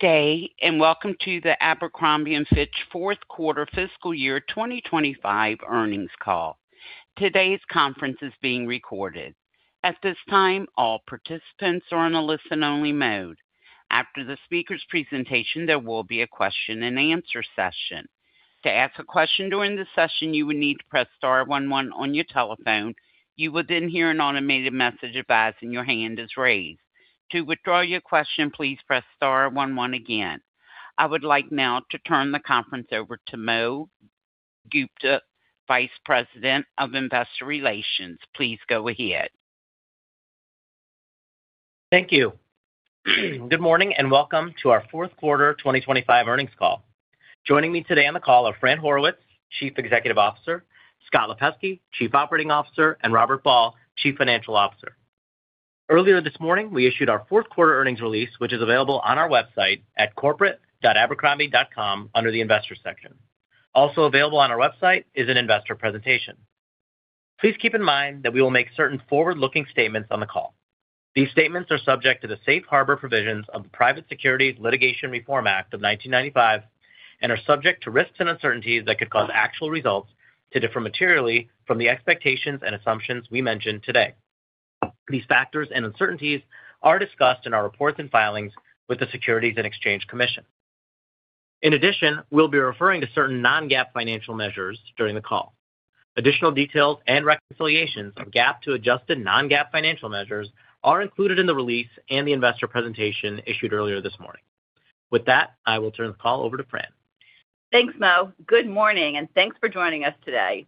Good day, and welcome to the Abercrombie & Fitch Fourth quarter fiscal year 2025 earnings call. Today's conference is being recorded. At this time, all participants are in a listen-only mode. After the speaker's presentation, there will be a question-and-answer session. To ask a question during the session, you will need to press star one one on your telephone. You will then hear an automated message advising your hand is raised. To withdraw your question, please press star one one again. I would like now to turn the conference over to Mohit Gupta, Vice President of Investor Relations. Please go ahead. Thank you. Good morning and welcome to our fourth quarter 2025 earnings call. Joining me today on the call are Fran Horowitz, Chief Executive Officer, Scott Lipesky, Chief Operating Officer, and Robert Ball, Chief Financial Officer. Earlier this morning, we issued our fourth quarter earnings release, which is available on our website at corporate.abercrombie.com under the Investor section. Also available on our website is an investor presentation. Please keep in mind that we will make certain forward-looking statements on the call. These statements are subject to the safe harbor provisions of the Private Securities Litigation Reform Act of 1995 and are subject to risks and uncertainties that could cause actual results to differ materially from the expectations and assumptions we mention today. These factors and uncertainties are discussed in our reports and filings with the Securities and Exchange Commission. In addition, we'll be referring to certain non-GAAP financial measures during the call. Additional details and reconciliations from GAAP to adjusted non-GAAP financial measures are included in the release and the investor presentation issued earlier this morning. With that, I will turn the call over to Fran. Thanks, Mo. Good morning, and thanks for joining us today.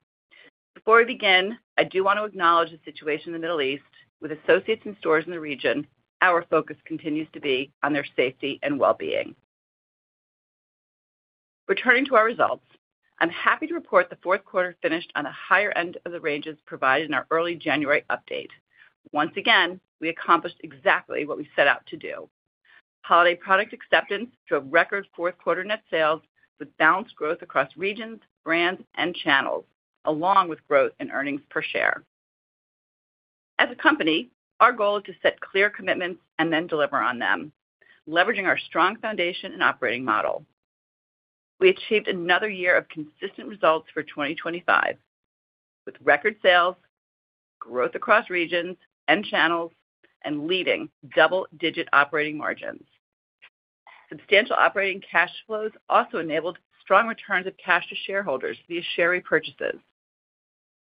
Before we begin, I do want to acknowledge the situation in the Middle East with associates and stores in the region. Our focus continues to be on their safety and well-being. Returning to our results, I'm happy to report the fourth quarter finished on a higher end of the ranges provided in our early January update. Once again, we accomplished exactly what we set out to do. Holiday product acceptance drove record fourth quarter net sales with balanced growth across regions, brands, and channels, along with growth in earnings per share. As a company, our goal is to set clear commitments and then deliver on them, leveraging our strong foundation and operating model. We achieved another year of consistent results for 2025, with record sales, growth across regions and channels, and leading double-digit operating margins. Substantial operating cash flows also enabled strong returns of cash to shareholders via share repurchases.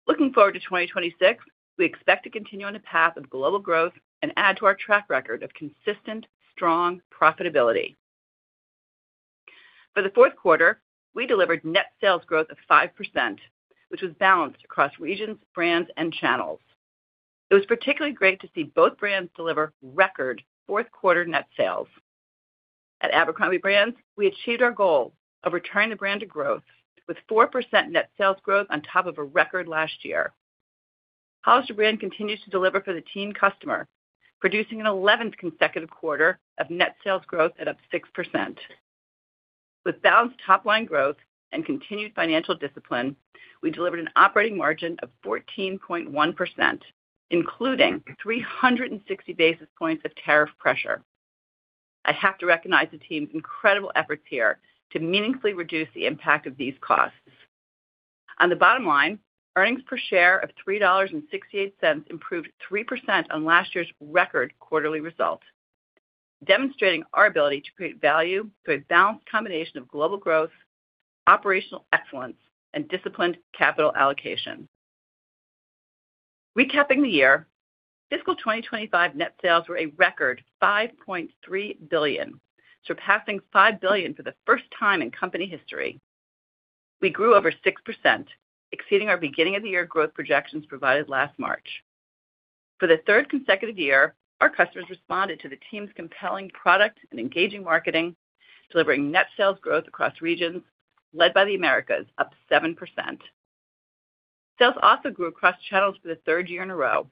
Looking forward to 2026, we expect to continue on a path of global growth and add to our track record of consistent, strong profitability. For the fourth quarter, we delivered net sales growth of 5%, which was balanced across regions, brands, and channels. It was particularly great to see both brands deliver record fourth quarter net sales. At Abercrombie brands, we achieved our goal of returning the brand to growth with 4% net sales growth on top of a record last year. Hollister brand continues to deliver for the teen customer, producing an eleventh consecutive quarter of net sales growth at up 6%. With balanced top line growth and continued financial discipline, we delivered an operating margin of 14.1%, including 360 basis points of tariff pressure. I have to recognize the team's incredible efforts here to meaningfully reduce the impact of these costs. On the bottom line, earnings per share of $3.68 improved 3% on last year's record quarterly results, demonstrating our ability to create value through a balanced combination of global growth, operational excellence, and disciplined capital allocation. Recapping the year, fiscal 2025 net sales were a record $5.3 billion, surpassing $5 billion for the first time in company history. We grew over 6%, exceeding our beginning of the year growth projections provided last March. For the third consecutive year, our customers responded to the team's compelling product and engaging marketing, delivering net sales growth across regions, led by the Americas, up 7%. Sales also grew across channels for the third year in a row.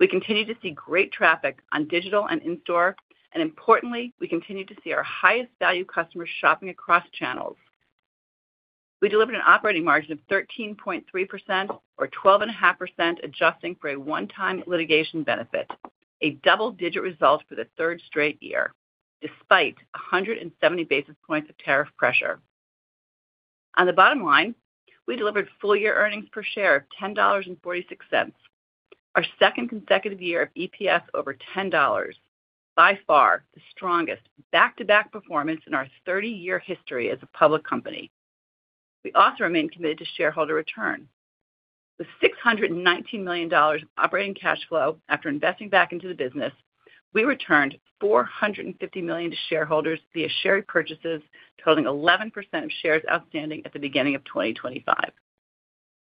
We continue to see great traffic on digital and in-store. Importantly, we continue to see our highest value customers shopping across channels. We delivered an operating margin of 13.3% or 12.5%, adjusting for a one-time litigation benefit, a double-digit result for the third straight year, despite 170 basis points of tariff pressure. On the bottom line, we delivered full-year earnings per share of $10.46, our second consecutive year of EPS over $10, by far the strongest back-to-back performance in our 30-year history as a public company. We also remain committed to shareholder return. With $619 million of operating cash flow after investing back into the business, we returned $450 million to shareholders via share repurchases, totaling 11% of shares outstanding at the beginning of 2025.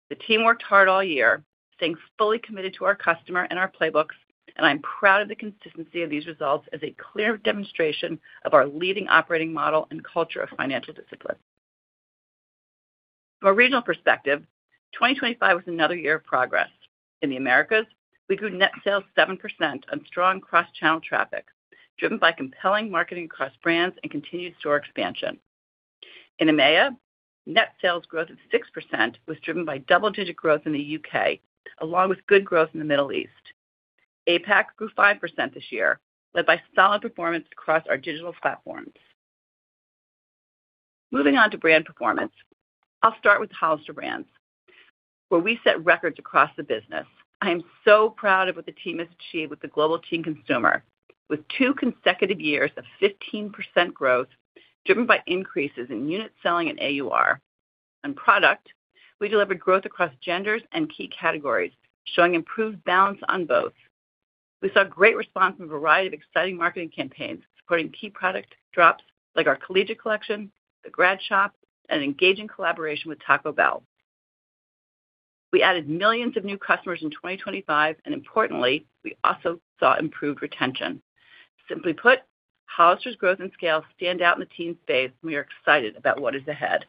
The team worked hard all year, staying fully committed to our customer and our playbooks. I'm proud of the consistency of these results as a clear demonstration of our leading operating model and culture of financial discipline. From a regional perspective, 2025 was another year of progress. In the Americas, we grew net sales 7% on strong cross-channel traffic, driven by compelling marketing across brands and continued store expansion. In EMEA, net sales growth of 6% was driven by double-digit growth in the U.K., along with good growth in the Middle East. APAC grew 5% this year, led by solid performance across our digital platforms. Moving on to brand performance. I'll start with Hollister brands, where we set records across the business. I am so proud of what the team has achieved with the global teen consumer. With two consecutive years of 15% growth driven by increases in unit selling and AUR. On product, we delivered growth across genders and key categories, showing improved balance on both. We saw great response from a variety of exciting marketing campaigns supporting key product drops like our collegiate collection, the grad shop, and engaging collaboration with Taco Bell. We added millions of new customers in 2025, and importantly, we also saw improved retention. Simply put, Hollister's growth and scale stand out in the teen space, and we are excited about what is ahead.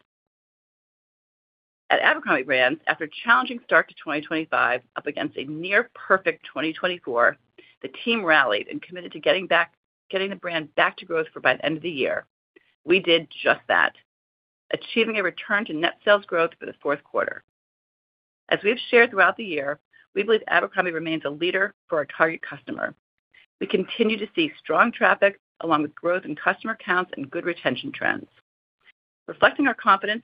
At Abercrombie Brands, after a challenging start to 2025, up against a near perfect 2024, the team rallied and committed to getting the brand back to growth for by the end of the year. We did just that, achieving a return to net sales growth for the fourth quarter. As we've shared throughout the year, we believe Abercrombie remains a leader for our target customer. We continue to see strong traffic along with growth in customer counts and good retention trends. Reflecting our confidence,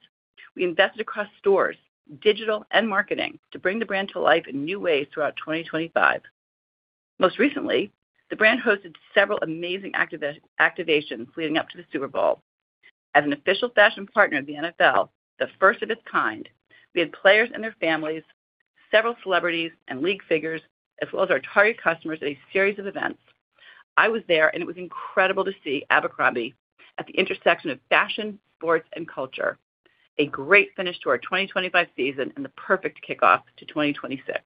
we invested across stores, digital, and marketing to bring the brand to life in new ways throughout 2025. Most recently, the brand hosted several amazing activations leading up to the Super Bowl. As an official fashion partner of the NFL, the first of its kind, we had players and their families, several celebrities and league figures, as well as our target customers at a series of events. It was incredible to see Abercrombie at the intersection of fashion, sports, and culture. A great finish to our 2025 season and the perfect kickoff to 2026.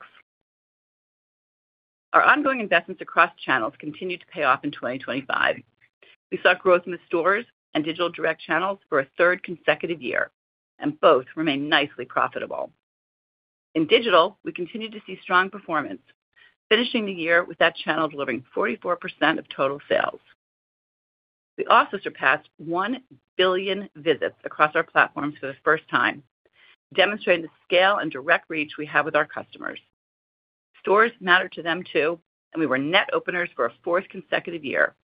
Our ongoing investments across channels continued to pay off in 2025. We saw growth in the stores and digital direct channels for a third consecutive year, and both remain nicely profitable. In digital, we continue to see strong performance, finishing the year with that channel delivering 44% of total sales. We also surpassed 1 billion visits across our platforms for the first time, demonstrating the scale and direct reach we have with our customers. Stores matter to them too. We were net openers for a fourth consecutive year,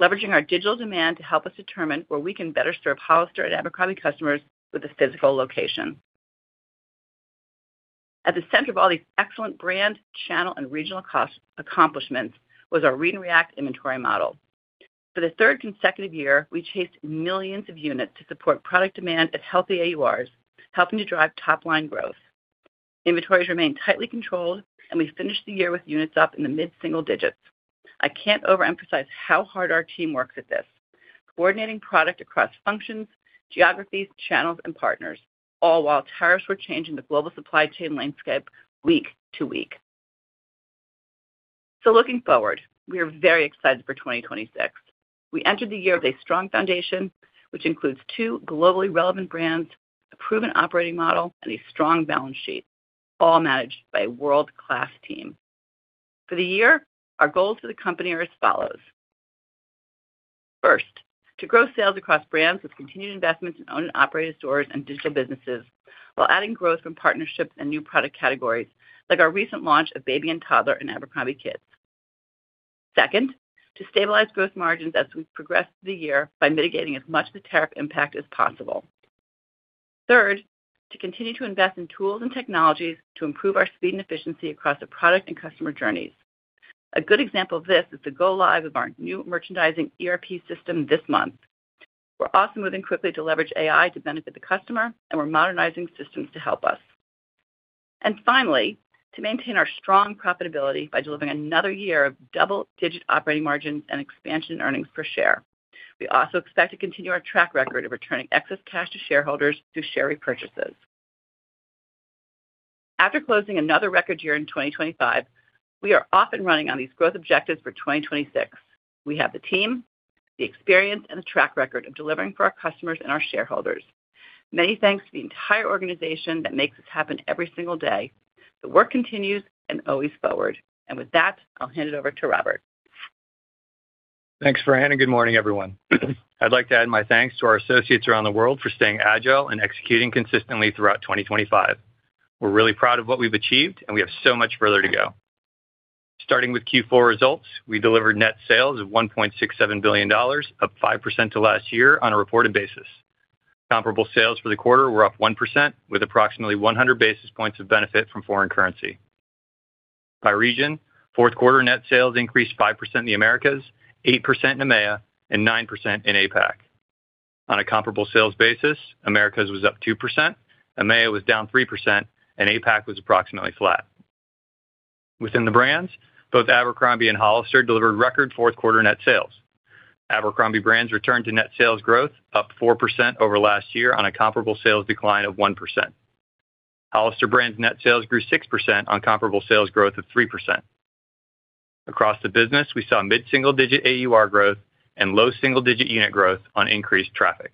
leveraging our digital demand to help us determine where we can better serve Hollister and Abercrombie customers with a physical location. At the center of all these excellent brand, channel, and regional accomplishments was our read and react inventory model. For the third consecutive year, we chased millions of units to support product demand at healthy AURs, helping to drive top-line growth. Inventories remain tightly controlled and we finished the year with units up in the mid-single digits. I can't overemphasize how hard our team works at this, coordinating product across functions, geographies, channels, and partners, all while tariffs were changing the global supply chain landscape week to week. Looking forward, we are very excited for 2026. We entered the year with a strong foundation, which includes two globally relevant brands, a proven operating model, and a strong balance sheet, all managed by a world-class team. For the year, our goals for the company are as follows. First, to grow sales across brands with continued investments in owned and operated stores and digital businesses, while adding growth from partnerships and new product categories, like our recent launch of baby and toddler in abercrombie kids. Second, to stabilize growth margins as we progress through the year by mitigating as much of the tariff impact as possible. Third, to continue to invest in tools and technologies to improve our speed and efficiency across the product and customer journeys. A good example of this is the go-live of our new merchandising ERP system this month. We're also moving quickly to leverage AI to benefit the customer, and we're modernizing systems to help us. Finally, to maintain our strong profitability by delivering another year of double-digit operating margins and expansion earnings per share. We also expect to continue our track record of returning excess cash to shareholders through share repurchases. After closing another record year in 2025, we are off and running on these growth objectives for 2026. We have the team, the experience, and the track record of delivering for our customers and our shareholders. Many thanks to the entire organization that makes this happen every single day. The work continues and always forward. With that, I'll hand it over to Robert. Thanks, Fran. Good morning, everyone. I'd like to add my thanks to our associates around the world for staying agile and executing consistently throughout 2025. We're really proud of what we've achieved, and we have so much further to go. Starting with Q4 results, we delivered net sales of $1.67 billion, up 5% to last year on a reported basis. Comparable sales for the quarter were up 1%, with approximately 100 basis points of benefit from foreign currency. By region, fourth quarter net sales increased 5% in the Americas, 8% in EMEA, and 9% in APAC. On a comparable sales basis, Americas was up 2%, EMEA was down 3%, and APAC was approximately flat. Within the brands, both Abercrombie and Hollister delivered record fourth quarter net sales. Abercrombie Brands returned to net sales growth up 4% over last year on a comparable sales decline of 1%. Hollister brands net sales grew 6% on comparable sales growth of 3%. Across the business, we saw mid-single-digit AUR growth and low single-digit unit growth on increased traffic.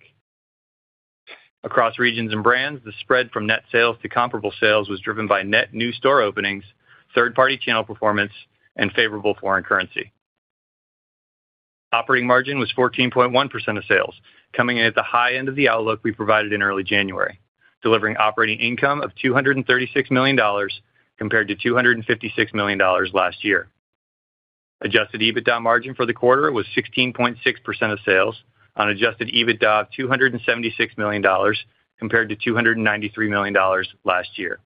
Across regions and brands, the spread from net sales to comparable sales was driven by net new store openings, third-party channel performance, and favorable foreign currency. Operating margin was 14.1% of sales, coming in at the high end of the outlook we provided in early January, delivering operating income of $236 million compared to $256 million last year. Adjusted EBITDA margin for the quarter was 16.6% of sales on Adjusted EBITDA of $276 million compared to $293 million last year.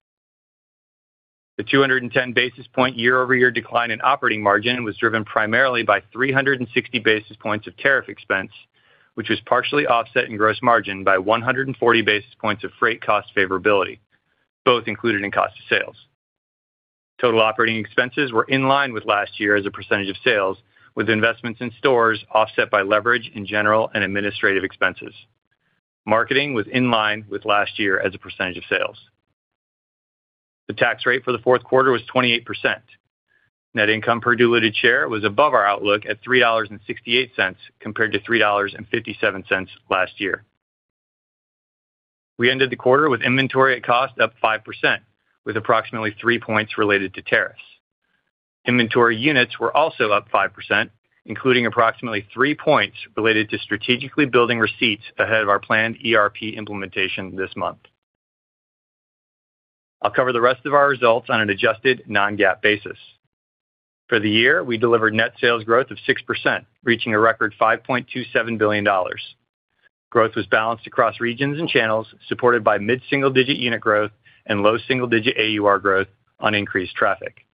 The 210 basis point year-over-year decline in operating margin was driven primarily by 360 basis points of tariff expense, which was partially offset in gross margin by 140 basis points of freight cost favorability, both included in cost of sales. Total operating expenses were in line with last year as a percentage of sales, with investments in stores offset by leverage in general and administrative expenses. Marketing was in line with last year as a percentage of sales. The tax rate for the fourth quarter was 28%. Net income per diluted share was above our outlook at $3.68 compared to $3.57 last year. We ended the quarter with inventory at cost up 5% with approximately 3 points related to tariffs. Inventory units were also up 5%, including approximately 3 points related to strategically building receipts ahead of our planned ERP implementation this month. I'll cover the rest of our results on an adjusted non-GAAP basis. For the year, we delivered net sales growth of 6%, reaching a record $5.27 billion. Growth was balanced across regions and channels, supported by mid-single-digit unit growth and low single-digit AUR growth on increased traffic.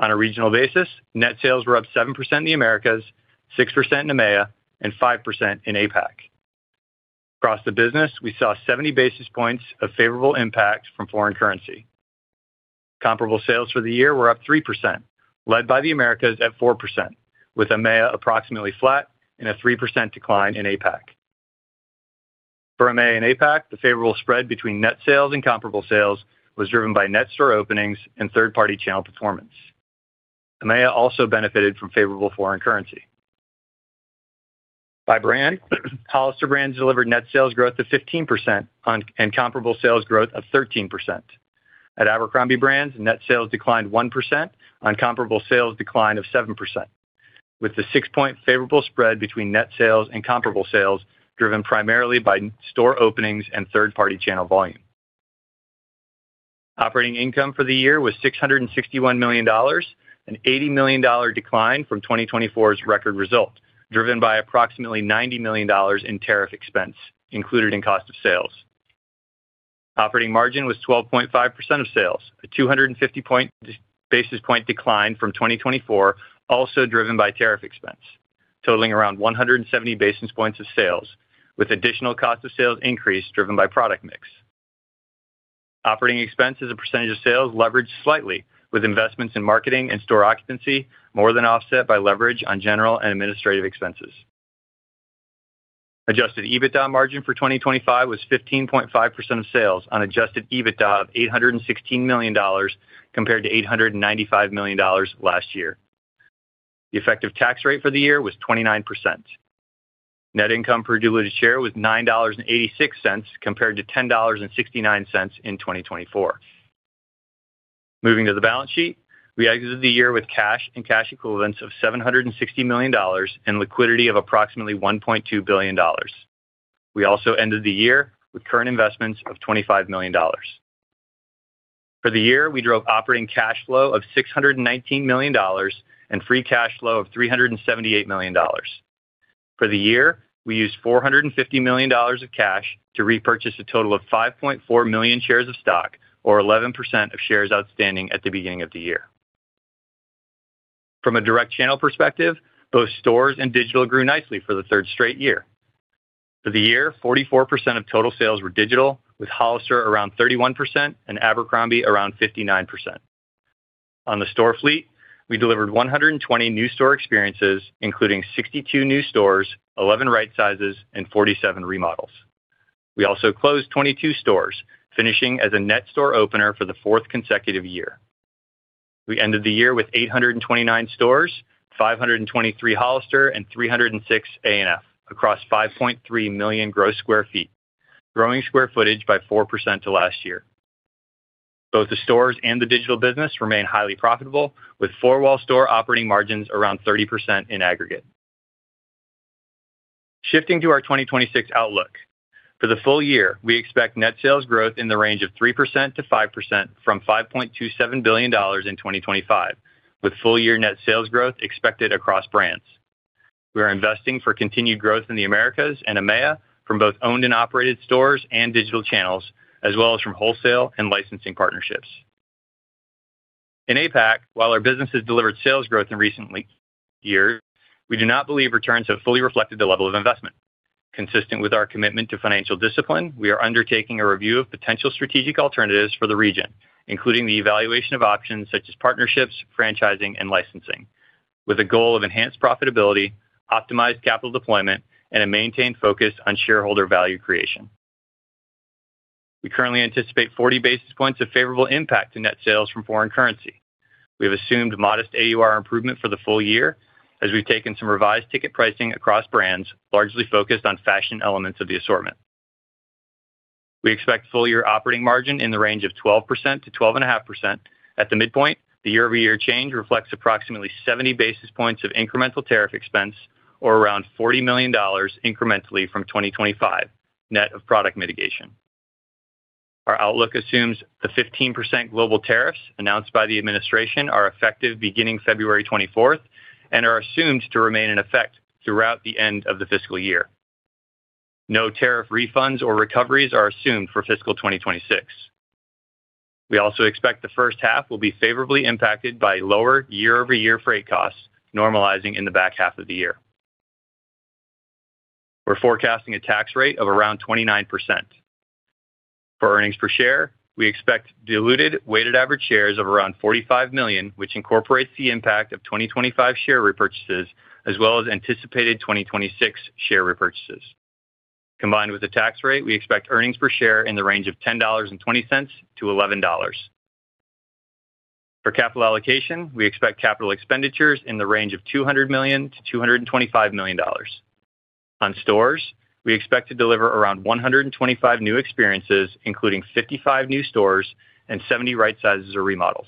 On a regional basis, net sales were up 7% in the Americas, 6% in EMEA, and 5% in APAC. Across the business, we saw 70 basis points of favorable impact from foreign currency. Comparable sales for the year were up 3%, led by the Americas at 4%, with EMEA approximately flat and a 3% decline in APAC. For EMEA and APAC, the favorable spread between net sales and comparable sales was driven by net store openings and third-party channel performance. EMEA also benefited from favorable foreign currency. By brand, Hollister Brands delivered net sales growth of 15% and comparable sales growth of 13%. At Abercrombie Brands, net sales declined 1% on comparable sales decline of 7%, with the 6-point favorable spread between net sales and comparable sales driven primarily by store openings and third-party channel volume. Operating income for the year was $661 million, an $80 million decline from 2024's record result, driven by approximately $90 million in tariff expense included in cost of sales. Operating margin was 12.5% of sales, a 250 basis point decline from 2024, also driven by tariff expense, totaling around 170 basis points of sales, with additional cost of sales increase driven by product mix. Operating expense as a percentage of sales leveraged slightly, with investments in marketing and store occupancy more than offset by leverage on general and administrative expenses. Adjusted EBITDA margin for 2025 was 15.5% of sales on Adjusted EBITDA of $816 million compared to $895 million last year. The effective tax rate for the year was 29%. Net income per diluted share was $9.86 compared to $10.69 in 2024. Moving to the balance sheet, we exited the year with cash and cash equivalents of $760 million and liquidity of approximately $1.2 billion. We also ended the year with current investments of $25 million. For the year, we drove operating cash flow of $619 million and free cash flow of $378 million. For the year, we used $450 million of cash to repurchase a total of 5.4 million shares of stock or 11% of shares outstanding at the beginning of the year. From a direct channel perspective, both stores and digital grew nicely for the third straight year. For the year, 44% of total sales were digital, with Hollister around 31% and Abercrombie around 59%. On the store fleet, we delivered 120 new store experiences, including 62 new stores, 11 right sizes, and 47 remodels. We also closed 22 stores, finishing as a net store opener for the fourth consecutive year. We ended the year with 829 stores, 523 Hollister, and 306 A&F across 5.3 million gross sq ft, growing square footage by 4% to last year. Both the stores and the digital business remain highly profitable, with four wall store operating margins around 30% in aggregate. Shifting to our 2026 outlook. For the full year, we expect net sales growth in the range of 3%-5% from $5.27 billion in 2025, with full-year net sales growth expected across brands. We are investing for continued growth in the Americas and EMEA from both owned and operated stores and digital channels, as well as from wholesale and licensing partnerships. In APAC, while our business has delivered sales growth in recent years, we do not believe returns have fully reflected the level of investment. Consistent with our commitment to financial discipline, we are undertaking a review of potential strategic alternatives for the region, including the evaluation of options such as partnerships, franchising, and licensing with a goal of enhanced profitability, optimized capital deployment, and a maintained focus on shareholder value creation. We currently anticipate 40 basis points of favorable impact to net sales from foreign currency. We have assumed modest AUR improvement for the full year as we've taken some revised ticket pricing across brands, largely focused on fashion elements of the assortment. We expect full year operating margin in the range of 12%-12.5%. At the midpoint, the year-over-year change reflects approximately 70 basis points of incremental tariff expense or around $40 million incrementally from 2025, net of product mitigation. Our outlook assumes the 15% global tariffs announced by the administration are effective beginning February 24th, and are assumed to remain in effect throughout the end of the fiscal year. No tariff refunds or recoveries are assumed for fiscal 2026. We also expect the first half will be favorably impacted by lower year-over-year freight costs normalizing in the back half of the year. We're forecasting a tax rate of around 29%. For earnings per share, we expect diluted weighted average shares of around 45 million, which incorporates the impact of 2025 share repurchases as well as anticipated 2026 share repurchases. Combined with the tax rate, we expect earnings per share in the range of $10.20-$11. For capital allocation, we expect capital expenditures in the range of $200 million-$225 million. On stores, we expect to deliver around 125 new experiences, including 55 new stores and 70 right sizes or remodels.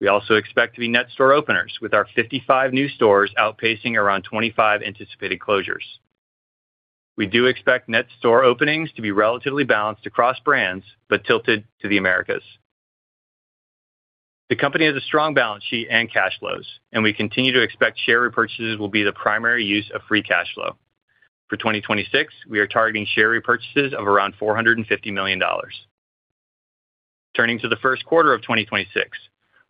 We also expect to be net store openers with our 55 new stores outpacing around 25 anticipated closures. We do expect net store openings to be relatively balanced across brands, but tilted to the Americas. The company has a strong balance sheet and cash flows, we continue to expect share repurchases will be the primary use of free cash flow. For 2026, we are targeting share repurchases of around $450 million. Turning to the first quarter of 2026,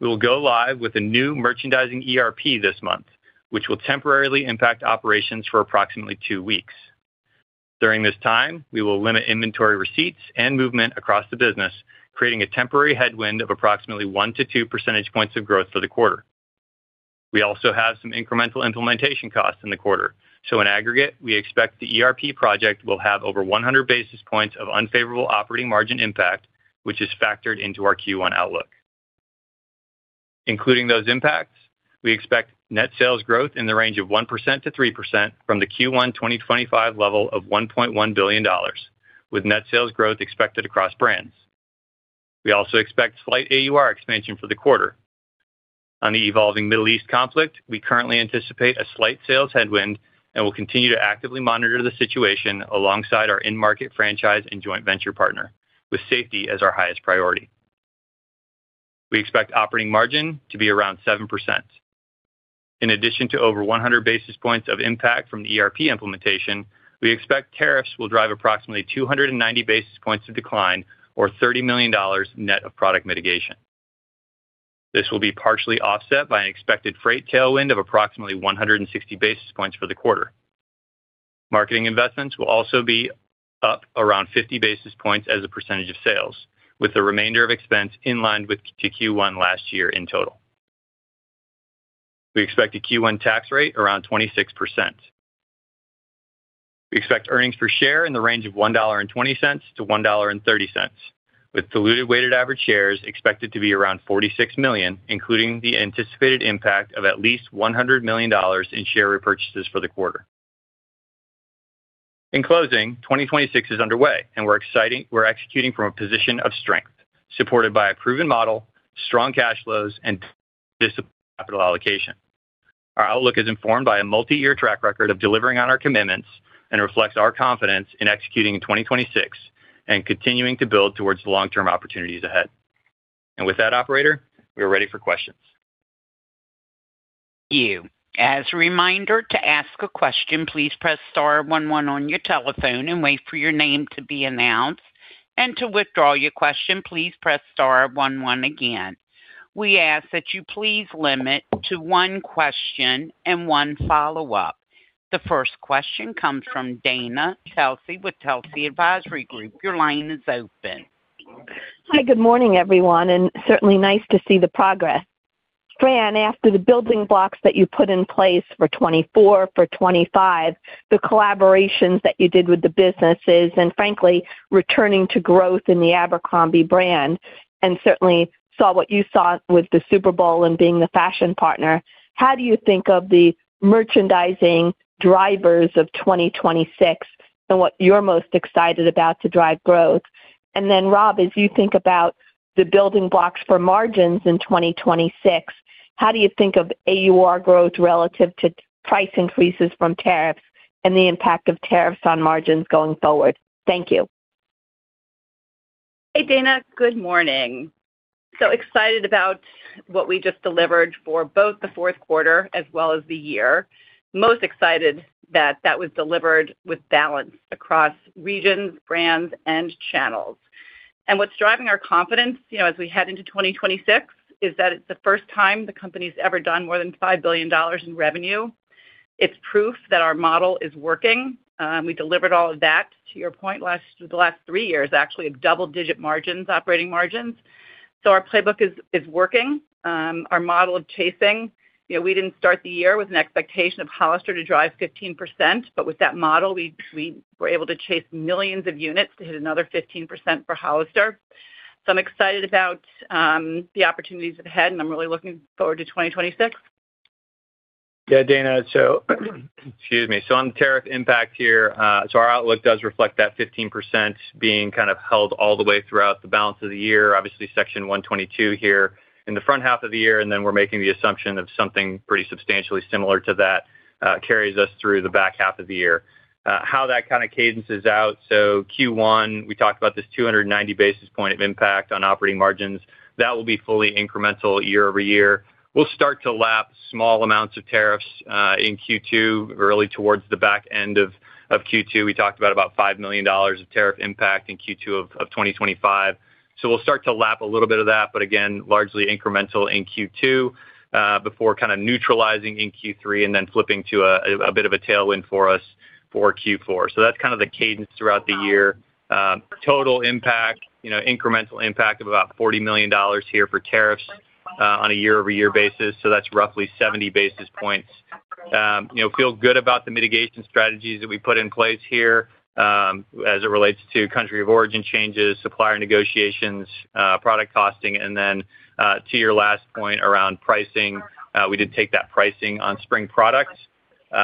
we will go live with a new merchandising ERP this month, which will temporarily impact operations for approximately two weeks. During this time, we will limit inventory receipts and movement across the business, creating a temporary headwind of approximately 1 to 2 percentage points of growth for the quarter. We also have some incremental implementation costs in the quarter. In aggregate, we expect the ERP project will have over 100 basis points of unfavorable operating margin impact, which is factored into our Q1 outlook. Including those impacts, we expect net sales growth in the range of 1%-3% from the Q1 2025 level of $1.1 billion, with net sales growth expected across brands. We also expect slight AUR expansion for the quarter. On the evolving Middle East conflict, we currently anticipate a slight sales headwind and will continue to actively monitor the situation alongside our in-market franchise and joint venture partner with safety as our highest priority. We expect operating margin to be around 7%. In addition to over 100 basis points of impact from the ERP implementation, we expect tariffs will drive approximately 290 basis points of decline or $30 million net of product mitigation. This will be partially offset by an expected freight tailwind of approximately 160 basis points for the quarter. Marketing investments will also be up around 50 basis points as a % of sales, with the remainder of expense in line with Q1 last year in total. We expect a Q1 tax rate around 26%. We expect earnings per share in the range of $1.20-$1.30, with diluted weighted average shares expected to be around 46 million, including the anticipated impact of at least $100 million in share repurchases for the quarter. In closing, 2026 is underway and we're executing from a position of strength, supported by a proven model, strong cash flows, and disciplined capital allocation. Our outlook is informed by a multi-year track record of delivering on our commitments and reflects our confidence in executing in 2026 and continuing to build towards the long-term opportunities ahead. With that operator, we are ready for questions. As a reminder to ask a question, please press star one one on your telephone and wait for your name to be announced. To withdraw your question, please press star one one again. We ask that you please limit to one question and one follow-up. The first question comes from Dana Telsey with Telsey Advisory Group. Your line is open. Hi. Good morning, everyone, certainly nice to see the progress. Fran, after the building blocks that you put in place for 2024, for 2025, the collaborations that you did with the businesses and frankly returning to growth in the Abercrombie brand and certainly saw what you saw with the Super Bowl and being the fashion partner, how do you think of the merchandising drivers of 2026 and what you're most excited about to drive growth? Rob, as you think about the building blocks for margins in 2026, how do you think of AUR growth relative to price increases from tariffs and the impact of tariffs on margins going forward? Thank you. Hey, Dana. Good morning. Excited about what we just delivered for both the fourth quarter as well as the year. Most excited that that was delivered with balance across regions, brands, and channels. What's driving our confidence, you know, as we head into 2026 is that it's the first time the company's ever done more than $5 billion in revenue. It's proof that our model is working. We delivered all of that, to your point, the last three years, actually of double-digit margins, operating margins. Our playbook is working. Our model of chasing, you know, we didn't start the year with an expectation of Hollister to drive 15%, but with that model, we were able to chase millions of units to hit another 15% for Hollister. I'm excited about the opportunities ahead, and I'm really looking forward to 2026. Yeah, Dana. Excuse me. On the tariff impact here, our outlook does reflect that 15% being kind of held all the way throughout the balance of the year, obviously Section 122 here in the front half of the year, and then we're making the assumption of something pretty substantially similar to that carries us through the back half of the year. How that kind of cadences out, Q1, we talked about this 290 basis point of impact on operating margins. That will be fully incremental year-over-year. We'll start to lap small amounts of tariffs in Q2, really towards the back end of Q2. We talked about $5 million of tariff impact in Q2 of 2025. We'll start to lap a little bit of that, but again, largely incremental in Q2, before kind of neutralizing in Q3 and then flipping to a bit of a tailwind for us for Q4. That's kind of the cadence throughout the year. Total impact, you know, incremental impact of about $40 million here for tariffs, on a year-over-year basis. That's roughly 70 basis points. You know, feel good about the mitigation strategies that we put in place here, as it relates to country of origin changes, supplier negotiations, product costing. Then, to your last point around pricing, we did take that pricing on spring products, you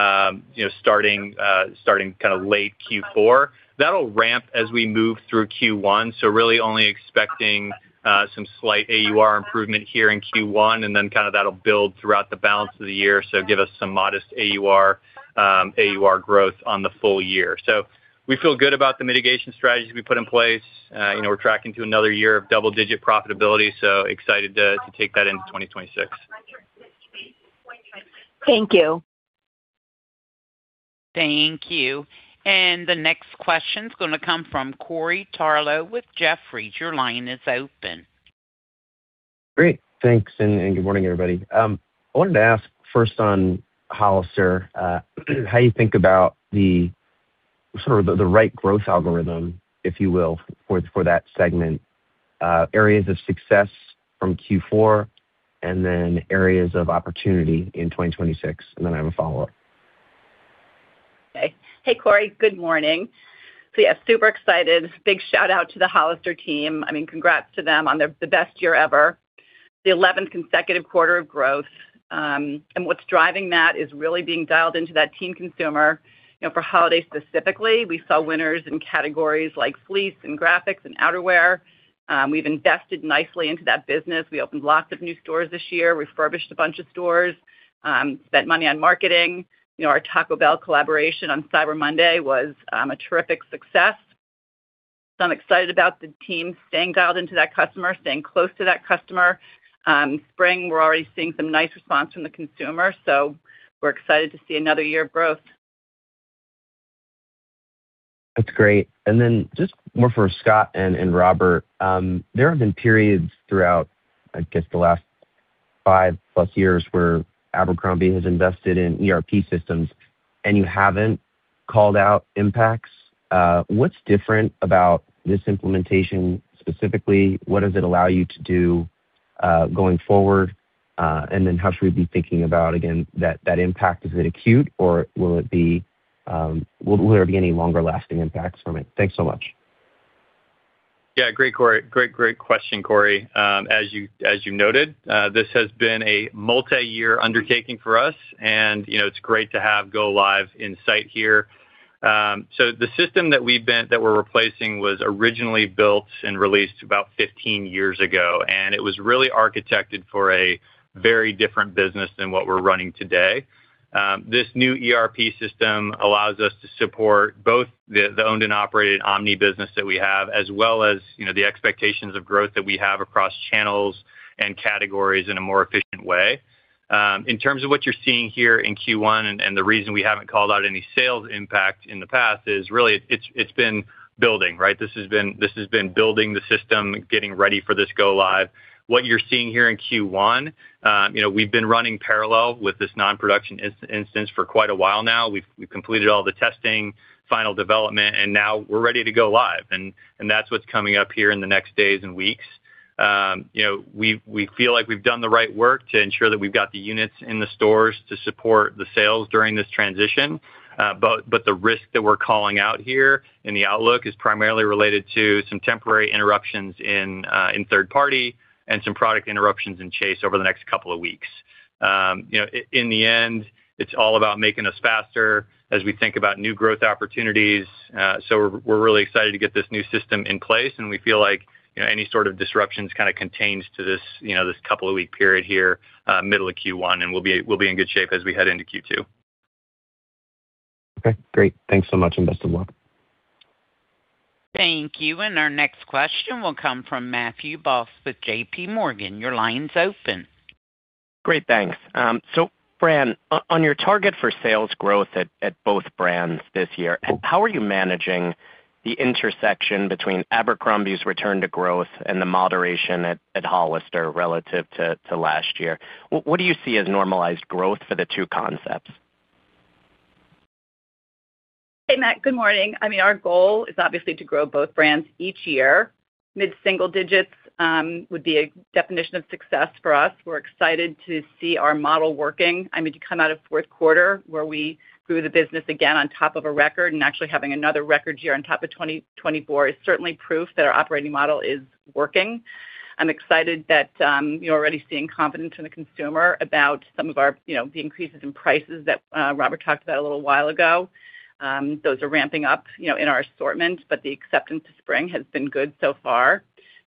know, starting kind of late Q4. That'll ramp as we move through Q1. Really only expecting, some slight AUR improvement here in Q1, and then kind of that'll build throughout the balance of the year. Give us some modest AUR growth on the full year. We feel good about the mitigation strategies we put in place. you know, we're tracking to another year of double-digit profitability, so excited to take that into 2026. Thank you. Thank you. The next question is gonna come from Corey Tarlowe with Jefferies. Your line is open. Great. Thanks, and good morning, everybody. I wanted to ask first on Hollister, how you think about the sort of the right growth algorithm, if you will, for that segment, areas of success from Q4 and then areas of opportunity in 2026. Then I have a follow-up. Okay. Hey, Corey. Good morning. Yeah, super excited. Big shout out to the Hollister team. I mean, congrats to them on the best year ever, the 11th consecutive quarter of growth. And what's driving that is really being dialed into that team consumer. You know, for holiday specifically, we saw winners in categories like fleece and graphics and outerwear. We've invested nicely into that business. We opened lots of new stores this year, refurbished a bunch of stores, spent money on marketing. You know, our Taco Bell collaboration on Cyber Monday was a terrific success. I'm excited about the team staying dialed into that customer, staying close to that customer. Spring, we're already seeing some nice response from the consumer, so we're excited to see another year of growth. That's great. Just more for Scott and Robert. There have been periods throughout, I guess, the last five-plus years where Abercrombie has invested in ERP systems, and you haven't called out impacts. What's different about this implementation specifically? What does it allow you to do going forward? How should we be thinking about, again, that impact? Is it acute or will there be any longer-lasting impacts from it? Thanks so much. Yeah. Great, Corey. Great question, Corey. As you, as you noted, this has been a multi-year undertaking for us and, you know, it's great to have go live in sight here. The system that we're replacing was originally built and released about 15 years ago, and it was really architected for a very different business than what we're running today. This new ERP system allows us to support both the owned and operated omni business that we have, as well as, you know, the expectations of growth that we have across channels and categories in a more efficient way. In terms of what you're seeing here in Q1 and the reason we haven't called out any sales impact in the past is really it's been building, right? This has been building the system, getting ready for this go live. What you're seeing here in Q1, you know, we've been running parallel with this non-production instance for quite a while now. We've completed all the testing, final development, and now we're ready to go live. That's what's coming up here in the next days and weeks. You know, we feel like we've done the right work to ensure that we've got the units in the stores to support the sales during this transition. The risk that we're calling out here in the outlook is primarily related to some temporary interruptions in third party and some product interruptions in Chase over the next couple of weeks. You know, in the end, it's all about making us faster as we think about new growth opportunities. We're really excited to get this new system in place, and we feel like any sort of disruptions kinda contains to this couple of week period here, middle of Q1, and we'll be in good shape as we head into Q2. Okay. Great. Thanks so much, and best of luck. Thank you. Our next question will come from Matthew Boss with JPMorgan. Your line's open. Great. Thanks. Fran, on your target for sales growth at both brands this year, how are you managing the intersection between Abercrombie's return to growth and the moderation at Hollister relative to last year? What do you see as normalized growth for the two concepts? Hey, Matt. Good morning. I mean, our goal is obviously to grow both brands each year. Mid-single digits, would be a definition of success for us. We're excited to see our model working. I mean, to come out of fourth quarter where we grew the business again on top of a record and actually having another record year on top of 2024 is certainly proof that our operating model is working. I'm excited that, you're already seeing confidence in the consumer about some of our, you know, the increases in prices that, Robert talked about a little while ago. Those are ramping up, you know, in our assortment, but the acceptance of spring has been good so far.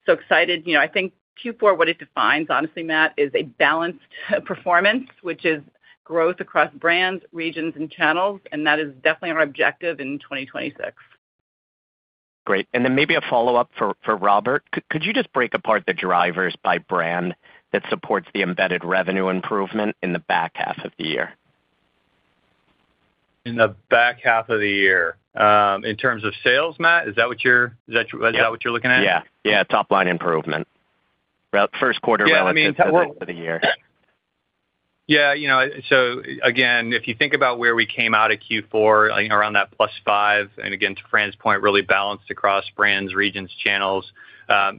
Excited. You know, I think Q4, what it defines, honestly, Matt, is a balanced performance, which is growth across brands, regions, and channels, and that is definitely our objective in 2026. Great. Then maybe a follow-up for Robert. Could you just break apart the drivers by brand that supports the embedded revenue improvement in the back half of the year? In the back half of the year. In terms of sales, Matt, is that what you're looking at? Yeah, top line improvement. Well, first quarter relative to the end of the year. Yeah. You know, again, if you think about where we came out of Q4, you know, around that +5%, and again, to Fran's point, really balanced across brands, regions, channels,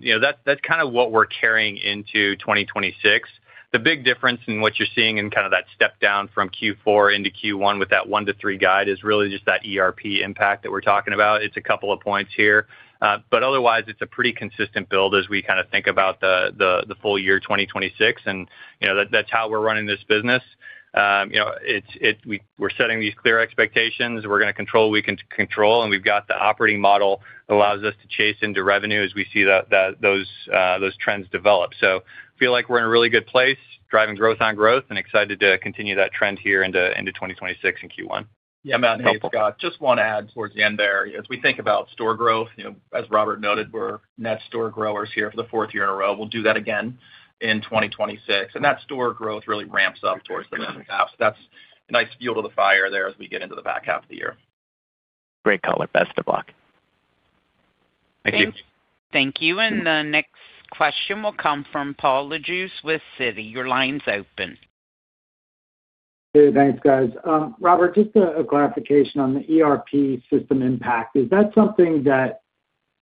you know, that's kind of what we're carrying into 2026. The big difference in what you're seeing in kind of that step down from Q4 into Q1 with that 1%-3% guide is really just that ERP impact that we're talking about. It's a couple of points here. Otherwise, it's a pretty consistent build as we kinda think about the full year 2026. You know, that's how we're running this business. You know, we're setting these clear expectations. We're gonna control what we can control, and we've got the operating model that allows us to chase into revenue as we see that those trends develop. Feel like we're in a really good place, driving growth on growth, and excited to continue that trend here into 2026 in Q1. Yeah, Matt. It's, Scott. Just wanna add towards the end there. As we think about store growth, you know, as Robert noted, we're net store growers here for the fourth year in a row. We'll do that again in 2026. That store growth really ramps up towards the second half. That's a nice fuel to the fire there as we get into the back half of the year. Great color. Best of luck. Thank you. Thank you. The next question will come from Paul Lejuez with Citi. Your line's open. Hey, thanks, guys. Robert, just a clarification on the ERP system impact. Is that something that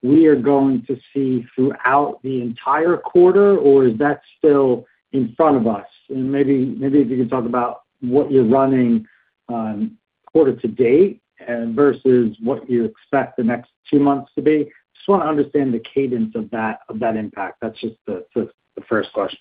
we are going to see throughout the entire quarter, or is that still in front of us? Maybe, maybe if you can talk about what you're running, quarter to date versus what you expect the next two months to be. Just wanna understand the cadence of that impact. That's just the first question.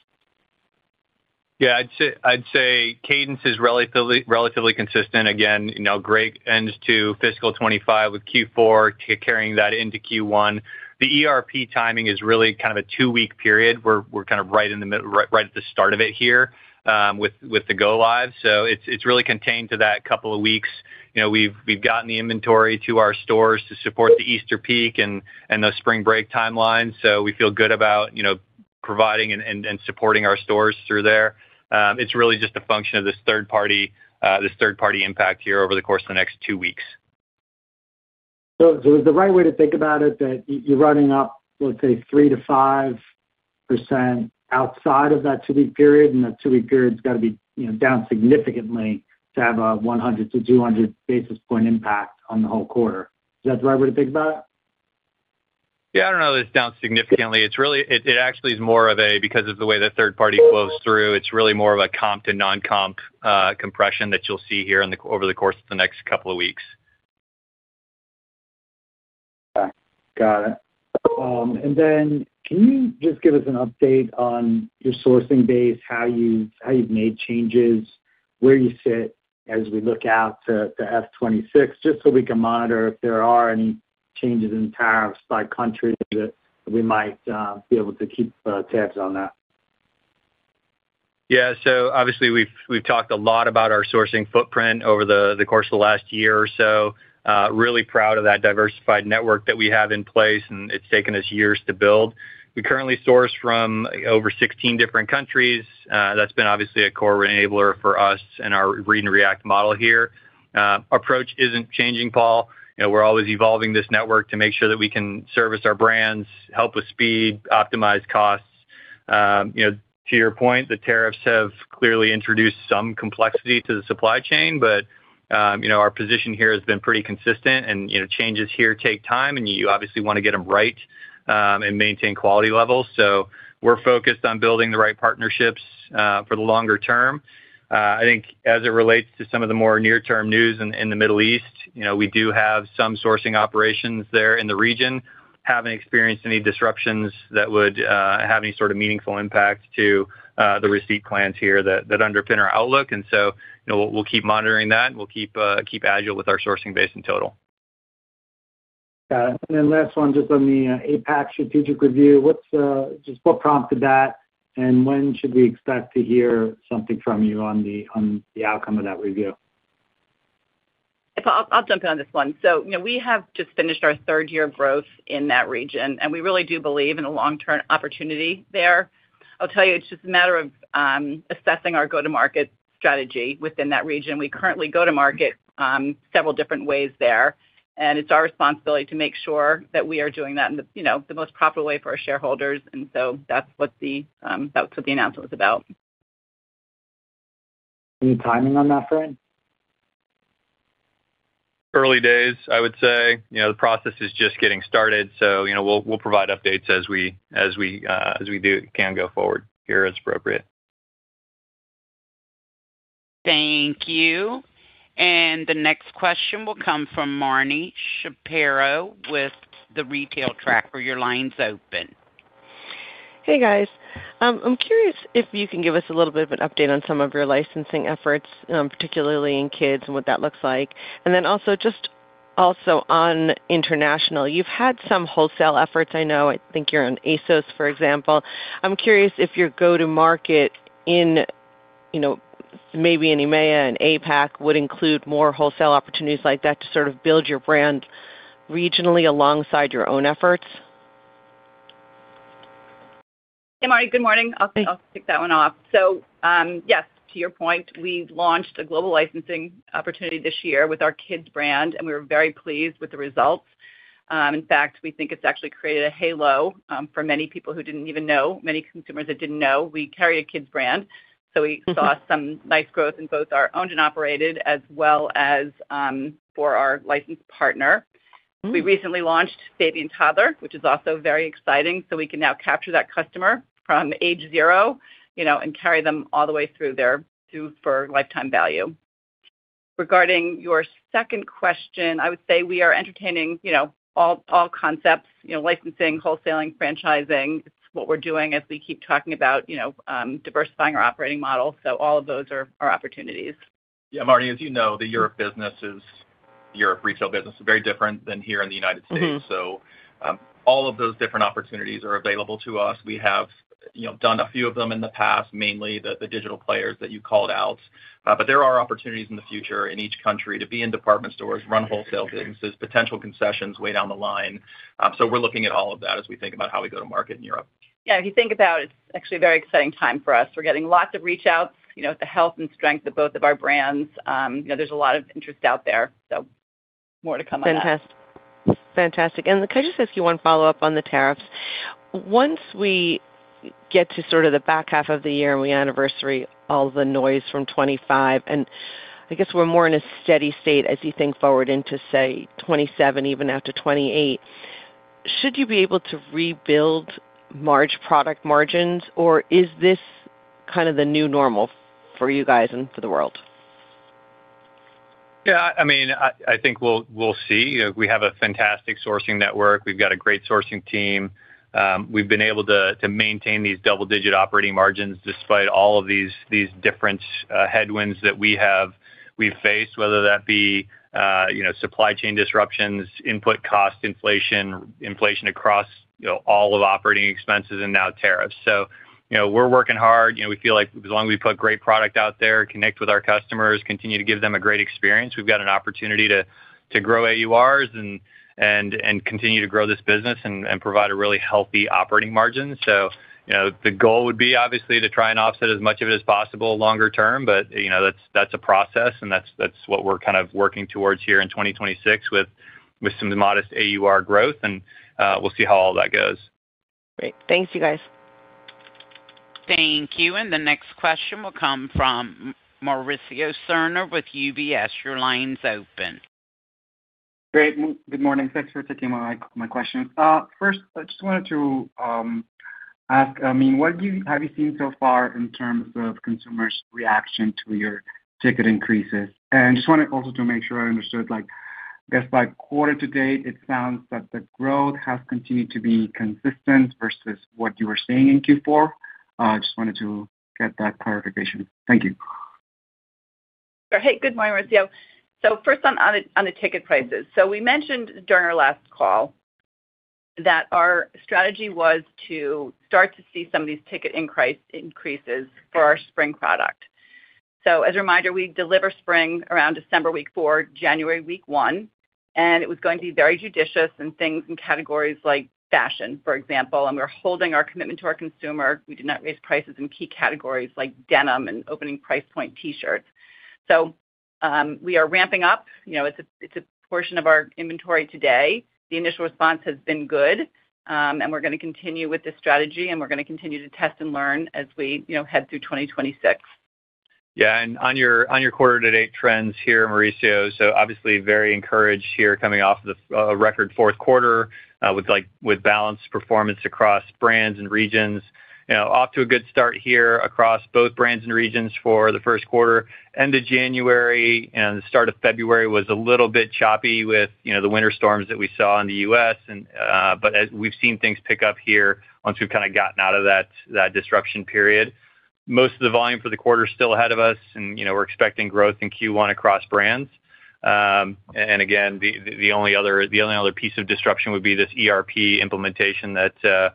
Yeah. I'd say cadence is relatively consistent. Again, you know, great end to fiscal 2025 with Q4, carrying that into Q1. The ERP timing is really kind of a two-week period. We're kind of right at the start of it here with the go live. It's really contained to that couple of weeks. You know, we've gotten the inventory to our stores to support the Easter peak and those spring break timelines. We feel good about, you know, providing and supporting our stores through there. It's really just a function of this third party, this third party impact here over the course of the next two weeks. Is the right way to think about it that you're running up, let's say, 3%-5% outside of that two-week period, and that two-week period's gotta be, you know, down significantly to have a 100 to 200 basis point impact on the whole quarter. Is that the right way to think about it? Yeah. I don't know that it's down significantly. It actually is more of a, because of the way the third party flows through, it's really more of a comp to non-comp, compression that you'll see here over the course of the next couple of weeks. Okay. Got it. Can you just give us an update on your sourcing base, how you've made changes, where you sit as we look out to F-2026, just so we can monitor if there are any changes in tariffs by country that we might be able to keep tabs on that? Yeah. Obviously we've talked a lot about our sourcing footprint over the course of the last year or so. Really proud of that diversified network that we have in place, and it's taken us years to build. We currently source from over 16 different countries. That's been obviously a core enabler for us and our read and react model here. Approach isn't changing, Paul. You know, we're always evolving this network to make sure that we can service our brands, help with speed, optimize costs. You know, to your point, the tariffs have clearly introduced some complexity to the supply chain, but, you know, our position here has been pretty consistent and, you know, changes here take time, and you obviously wanna get them right, and maintain quality levels. We're focused on building the right partnerships for the longer term. I think as it relates to some of the more near term news in the Middle East, you know, we do have some sourcing operations there in the region. Haven't experienced any disruptions that would have any sort of meaningful impact to the receipt plans here that underpin our outlook. You know, we'll keep monitoring that and we'll keep agile with our sourcing base in total. Got it. Last one, just on the APAC strategic review. Just what prompted that, when should we expect to hear something from you on the outcome of that review? I'll jump in on this one. You know, we have just finished our third year of growth in that region, and we really do believe in a long-term opportunity there. I'll tell you, it's just a matter of assessing our go-to-market strategy within that region. We currently go to market several different ways there, and it's our responsibility to make sure that we are doing that in the, you know, the most proper way for our shareholders. That's what the announcement was about. Any timing on that front? Early days, I would say. You know, the process is just getting started, so, you know, we'll provide updates as we can go forward here as appropriate. Thank you. The next question will come from Marni Shapiro with The Retail Tracker. Your line's open. Hey, guys. I'm curious if you can give us a little bit of an update on some of your licensing efforts, particularly in kids and what that looks like. Also on international, you've had some wholesale efforts. I know, I think you're on ASOS, for example. I'm curious if your go-to-market in, you know, maybe in EMEA and APAC would include more wholesale opportunities like that to sort of build your brand regionally alongside your own efforts. Hey, Marni. Good morning. Hey. I'll kick that one off. Yes, to your point, we've launched a global licensing opportunity this year with our kids brand, and we were very pleased with the results. In fact, we think it's actually created a halo for many people who didn't even know, many consumers that didn't know we carry a kids brand. Mm-hmm. We saw some nice growth in both our owned and operated as well as for our licensed partner. Mm-hmm. We recently launched baby and toddler, which is also very exciting, so we can now capture that customer from age zero, you know, and carry them all the way through their for lifetime value. Regarding your second question, I would say we are entertaining, you know, all concepts, you know, licensing, wholesaling, franchising. It's what we're doing as we keep talking about, you know, diversifying our operating model. All of those are opportunities. Yeah. Marni, as you know, the Europe retail business is very different than here in the United States. Mm-hmm. All of those different opportunities are available to us. We have, you know, done a few of them in the past, mainly the digital players that you called out. There are opportunities in the future in each country to be in department stores, run wholesale businesses, potential concessions way down the line. We're looking at all of that as we think about how we go to market in Europe. Yeah. If you think about it's actually a very exciting time for us. We're getting lots of reach outs, you know, the health and strength of both of our brands. You know, there's a lot of interest out there, so more to come on that. Fantastic. Fantastic. Could I just ask you one follow-up on the tariffs? Once we get to sort of the back half of the year and we anniversary all the noise from 2025, and I guess we're more in a steady state as you think forward into, say, 2027 even after 2028, should you be able to rebuild product margins or is this kind of the new normal for you guys and for the world? I mean, I think we'll see. We have a fantastic sourcing network. We've got a great sourcing team. We've been able to maintain these double-digit operating margins despite all of these different headwinds that we've faced, whether that be, you know, supply chain disruptions, input cost inflation across, you know, all of operating expenses and now tariffs. You know, we're working hard. You know, we feel like as long as we put great product out there, connect with our customers, continue to give them a great experience, we've got an opportunity to grow AURs and continue to grow this business and provide a really healthy operating margin. You know, the goal would be obviously to try and offset as much of it as possible longer term. You know, that's a process, and that's what we're kind of working towards here in 2026 with some modest AUR growth, and we'll see how all that goes. Great. Thank you, guys. Thank you. The next question will come from Mauricio Serna with UBS. Your line's open. Great. Good morning. Thanks for taking my question. First, I just wanted to ask, I mean, have you seen so far in terms of consumers' reaction to your ticket increases? Just wanted also to make sure I understood, like, I guess by quarter to date, it sounds that the growth has continued to be consistent versus what you were seeing in Q4. Just wanted to get that clarification. Thank you. Sure. Hey, good morning, Mauricio. First on the ticket prices. We mentioned during our last call that our strategy was to start to see some of these ticket increases for our spring product. As a reminder, we deliver spring around December week four, January week one, and it was going to be very judicious in things, in categories like fashion, for example. We're holding our commitment to our consumer. We did not raise prices in key categories like denim and opening price point T-shirts. We are ramping up. You know, it's a portion of our inventory today. The initial response has been good. We're gonna continue with this strategy, and we're gonna continue to test and learn as we, you know, head through 2026. Yeah. On your, on your quarter to date trends here, Mauricio, obviously very encouraged here coming off of the record fouth quarter with like, with balanced performance across brands and regions. You know, off to a good start here across both brands and regions for the first quarter. End of January and the start of February was a little bit choppy with, you know, the winter storms that we saw in the U.S. As we've seen things pick up here once we've kinda gotten out of that disruption period. Most of the volume for the quarter is still ahead of us and, you know, we're expecting growth in Q1 across brands. Again, the only other piece of disruption would be this ERP implementation that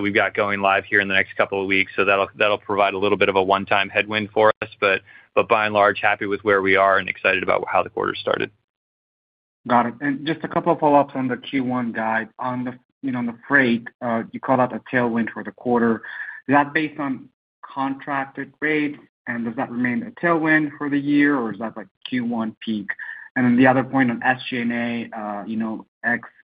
we've got going live here in the next couple of weeks. That'll provide a little bit of a one-time headwind for us. By and large, happy with where we are and excited about how the quarter started. Got it. Just a couple of follow-ups on the Q1 guide. On the, you know, on the freight, you called out the tailwind for the quarter. Is that based on contracted rates, and does that remain a tailwind for the year, or is that like Q1 peak? The other point on SG&A, you know,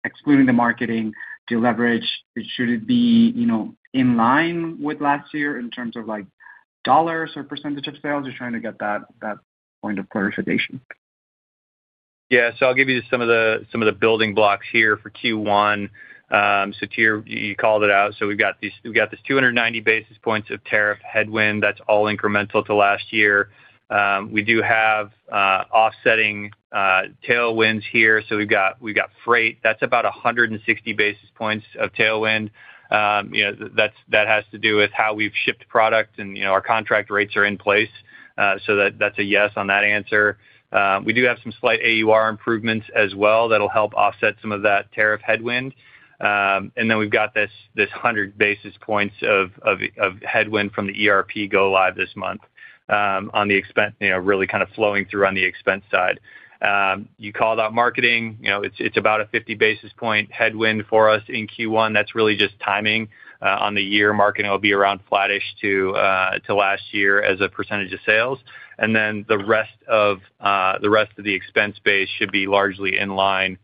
excluding the marketing deleverage, should it be, you know, in line with last year in terms of like dollars or percentage of sales? Just trying to get that point of clarification. Yeah. I'll give you some of the, some of the building blocks here for Q1. Tier, you called it out. We've got this 290 basis points of tariff headwind that's all incremental to last year. We do have offsetting tailwinds here. We've got freight. That's about 160 basis points of tailwind. you know, that has to do with how we've shipped product and, you know, our contract rates are in place. That's a yes on that answer. We do have some slight AUR improvements as well that'll help offset some of that tariff headwind. Then we've got this 100 basis points of headwind from the ERP go live this month, on the expense, you know, really kind of flowing through on the expense side. You called out marketing, you know, it's about a 50 basis point headwind for us in Q1. That's really just timing on the year. Marketing will be around flattish to last year as a percentage of sales. Then the rest of the expense base should be largely in line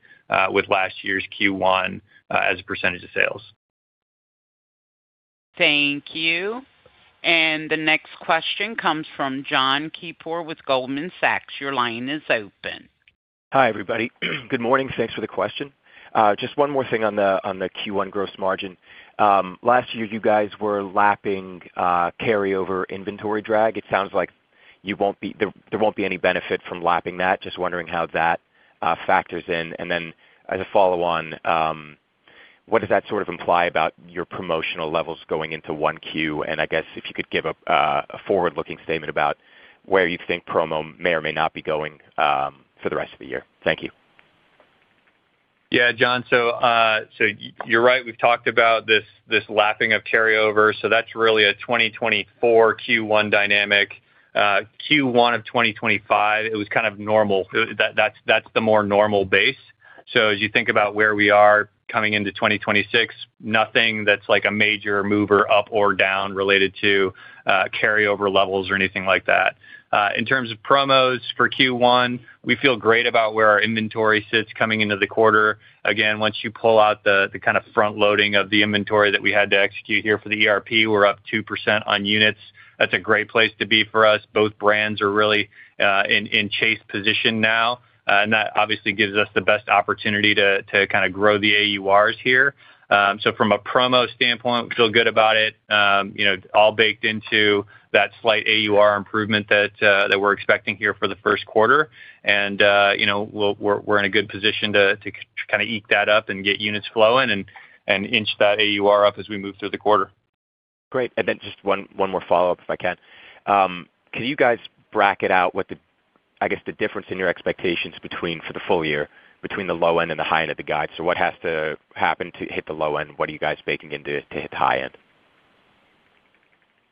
with last year's Q1 as a percentage of sales. Thank you. The next question comes from Jon Keypour with Goldman Sachs. Your line is open. Hi, everybody. Good morning. Thanks for the question. Just one more thing on the, on the Q1 gross margin. Last year you guys were lapping carryover inventory drag. It sounds like there won't be any benefit from lapping that. Just wondering how that factors in. As a follow-on, what does that sort of imply about your promotional levels going into 1Q? I guess if you could give a forward-looking statement about where you think promo may or may not be going for the rest of the year. Thank you. Yeah, Jon. You're right. We've talked about this lapping of carryover. That's really a 2024 Q1 dynamic. Q1 of 2025, it was kind of normal. That, that's the more normal base. As you think about where we are coming into 2026, nothing that's like a major mover up or down related to carryover levels or anything like that. In terms of promos for Q1, we feel great about where our inventory sits coming into the quarter. Again, once you pull out the kind of front loading of the inventory that we had to execute here for the ERP, we're up 2% on units. That's a great place to be for us. Both brands are really in chase position now. That obviously gives us the best opportunity to kind of grow the AURs here. From a promo standpoint, we feel good about it, you know, all baked into that slight AUR improvement that we're expecting here for the first quarter. You know, we're in a good position to kind of eat that up and get units flowing and inch that AUR up as we move through the quarter. Great. Then just one more follow-up, if I can. Can you guys bracket out I guess the difference in your expectations between, for the full year, between the low end and the high end of the guide? What has to happen to hit the low end? What are you guys baking into to hit the high end?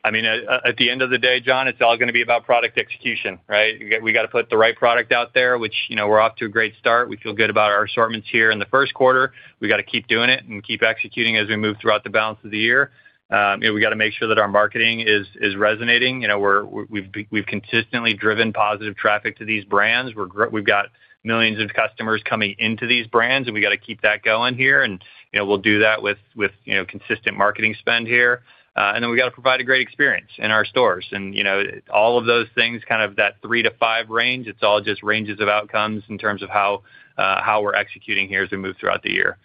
I mean, at the end of the day, Jon, it's all gonna be about product execution, right? We got to put the right product out there, which, you know, we're off to a great start. We feel good about our assortments here in the first quarter. We got to keep doing it and keep executing as we move throughout the balance of the year. You know, we got to make sure that our marketing is resonating. You know, we've consistently driven positive traffic to these brands. We've got millions of customers coming into these brands, and we got to keep that going here. You know, we'll do that with, you know, consistent marketing spend here. We got to provide a great experience in our stores. You know, all of those things, kind of that 3-5 range, it's all just ranges of outcomes in terms of how we're executing here as we move throughout the year.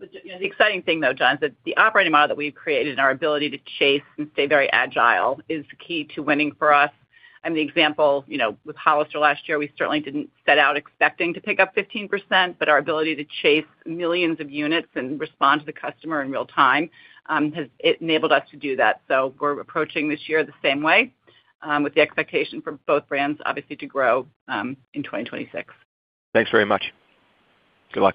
You know, the exciting thing, though, Jon, is that the operating model that we've created and our ability to chase and stay very agile is key to winning for us. The example, you know, with Hollister last year, we certainly didn't set out expecting to pick up 15%, but our ability to chase millions of units and respond to the customer in real time has enabled us to do that. We're approaching this year the same way with the expectation for both brands, obviously, to grow in 2026. Thanks very much. Good luck.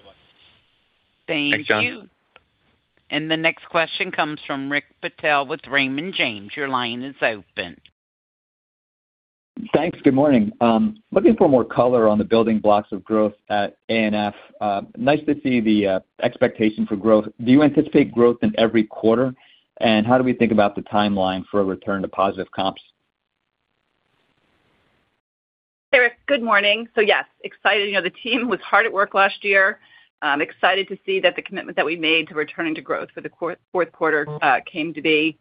Thank you. Thanks, Jon. The next question comes from Rick Patel with Raymond James. Your line is open. Thanks. Good morning. Looking for more color on the building blocks of growth at A&F. Nice to see the expectation for growth. Do you anticipate growth in every quarter? How do we think about the timeline for a return to positive comps? Hey, Rick. Good morning. Yes, excited. You know, the team was hard at work last year. Excited to see that the commitment that we made to returning to growth for the fourth quarter came to be.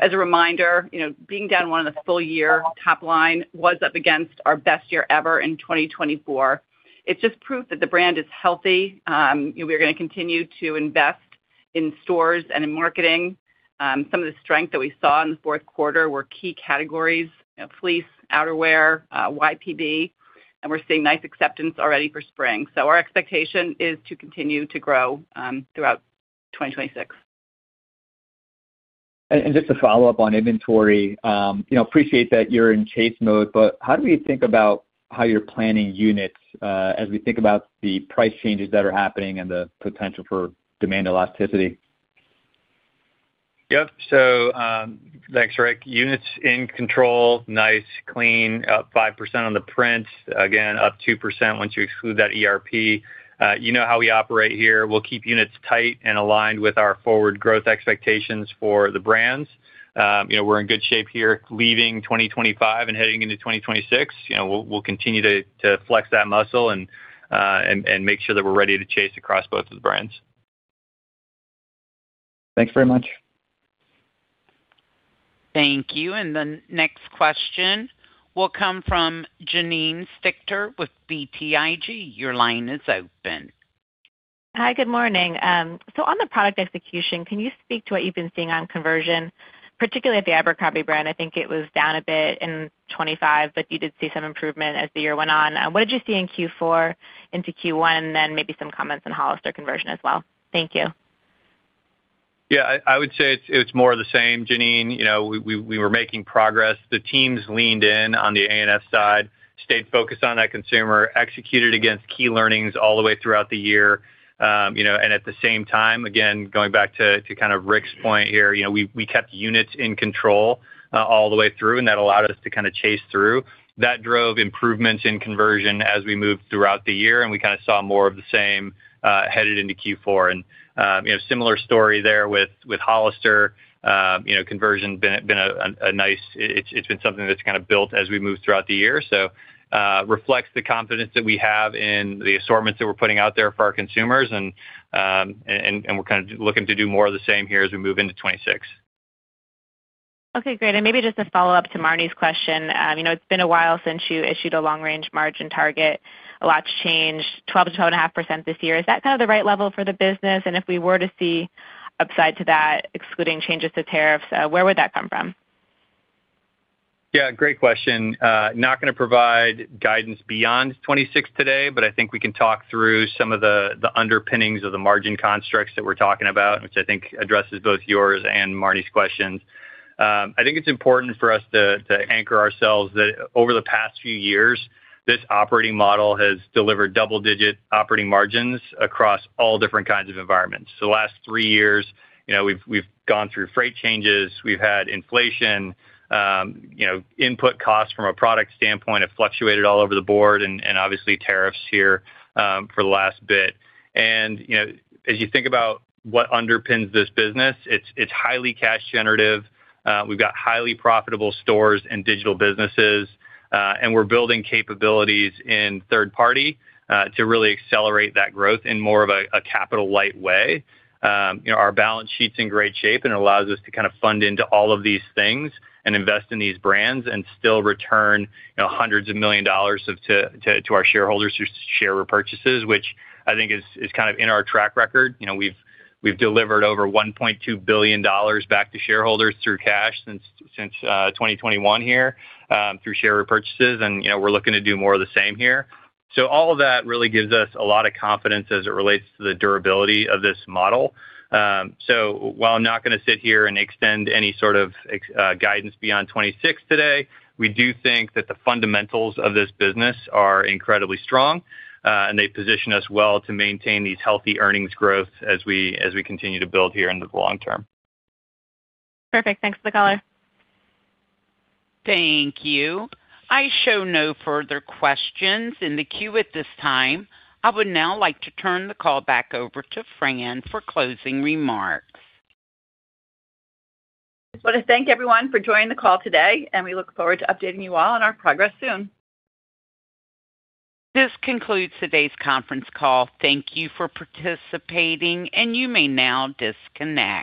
As a reminder, you know, being down one in the full year top line was up against our best year ever in 2024. It just proved that the brand is healthy. We're gonna continue to invest in stores and in marketing. Some of the strength that we saw in the fourth quarter were key categories, you know, fleece, outerwear, YPB, and we're seeing nice acceptance already for spring. Our expectation is to continue to grow throughout 2026. Just to follow up on inventory, you know, appreciate that you're in chase mode, but how do we think about how you're planning units, as we think about the price changes that are happening and the potential for demand elasticity? Yep. Thanks, Rick. Units in control, nice, clean, up 5% on the prints. Again, up 2% once you exclude that ERP. You know how we operate here. We'll keep units tight and aligned with our forward growth expectations for the brands. You know, we're in good shape here leaving 2025 and heading into 2026. You know, we'll continue to flex that muscle and make sure that we're ready to chase across both of the brands. Thanks very much. Thank you. The next question will come from Janine Stichter with BTIG. Your line is open. Hi, good morning. On the product execution, can you speak to what you've been seeing on conversion, particularly at the Abercrombie brand? I think it was down a bit in 2025, but you did see some improvement as the year went on. What did you see in Q4 into Q1, and then maybe some comments on Hollister conversion as well. Thank you. Yeah. I would say it's more of the same, Janine. You know, we were making progress. The teams leaned in on the A&F side, stayed focused on that consumer, executed against key learnings all the way throughout the year. You know, and at the same time, again, going back to kind of Rick's point here, you know, we kept units in control all the way through, and that allowed us to kinda chase through. That drove improvements in conversion as we moved throughout the year, and we kinda saw more of the same headed into Q4. You know, similar story there with Hollister. You know, conversion been a nice... It's been something that's kinda built as we move throughout the year. Reflects the confidence that we have in the assortments that we're putting out there for our consumers, and we're kind of looking to do more of the same here as we move into 2026. Okay, great. Maybe just a follow-up to Marni's question. You know, it's been a while since you issued a long range margin target. A lot's changed, 12%-12.5% this year. Is that kind of the right level for the business? If we were to see upside to that, excluding changes to tariffs, where would that come from? Yeah, great question. Not gonna provide guidance beyond 2026 today. I think we can talk through some of the underpinnings of the margin constructs that we're talking about, which I think addresses both yours and Marni's questions. I think it's important for us to anchor ourselves that over the past few years, this operating model has delivered double-digit operating margins across all different kinds of environments. The last three years, you know, we've gone through freight changes, we've had inflation, you know, input costs from a product standpoint have fluctuated all over the board and obviously tariffs here for the last bit. You know, as you think about what underpins this business, it's highly cash generative. We've got highly profitable stores and digital businesses, and we're building capabilities in third party, to really accelerate that growth in more of a capital light way. You know, our balance sheet's in great shape and allows us to kind of fund into all of these things and invest in these brands and still return, you know, hundreds of million dollars to our shareholders through share repurchases, which I think is kind of in our track record. You know, we've delivered over $1.2 billion back to shareholders through cash since 2021 here through share repurchases. You know, we're looking to do more of the same here. All of that really gives us a lot of confidence as it relates to the durability of this model. While I'm not gonna sit here and extend any sort of guidance beyond 2026 today, we do think that the fundamentals of this business are incredibly strong, and they position us well to maintain these healthy earnings growth as we continue to build here in the long term. Perfect. Thanks for the color. Thank you. I show no further questions in the queue at this time. I would now like to turn the call back over to Fran for closing remarks. I wanna thank everyone for joining the call today, and we look forward to updating you all on our progress soon. This concludes today's conference call. Thank you for participating, and you may now disconnect.